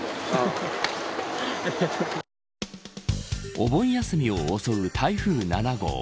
お盆休みを襲う台風７号。